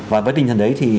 và với tinh thần đấy thì